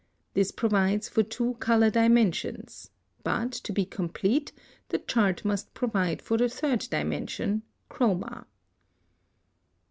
This provides for two color dimensions; but, to be complete, the chart must provide for the third dimension, chroma.